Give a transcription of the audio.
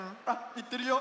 いってるよ！